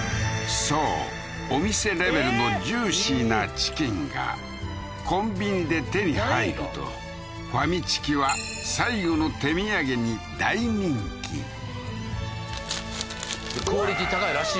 そうお店レベルのジューシーなチキンがコンビニで手に入るとファミチキは最後の手土産に大人気ワーオ！